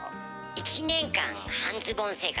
１年間半ズボン生活。